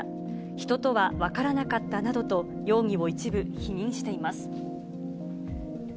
人とは分からなかったなどと、容疑を一部否認しています。